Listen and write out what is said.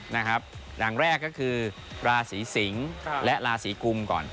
นะครับอย่างแรกก็คือราศีสิงศ์และราศีกุมก่อน